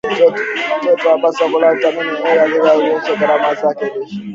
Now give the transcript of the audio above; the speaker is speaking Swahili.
mtoto hupaswa kula vitamin A kwenye kiazi lishe cha gram mia ishirini na tano inayohijika